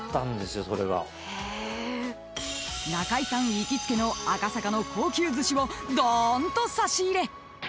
［中居さん行きつけの赤坂の高級ずしをどーんと差し入れ！］